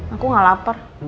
aku gak lapar